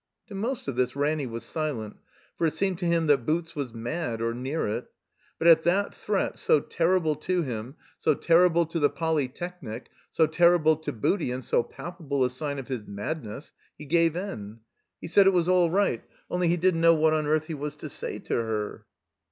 To most of this Ranny was silent, for it seemed to him that Boots was mad, or near it. But at that threat, so terrible to him, so terrible to the Poly technic, so terrible to Booty, and so palpable a sign of his madness, he gave in. He said it was all right, 24 THE COMBINED MAZE only he didn't know what on earth he was to say to her.